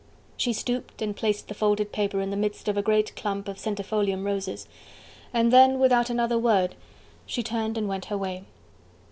She stooped and placed the folded paper in the midst of a great clump of centifolium roses, and then without another word she turned and went her way.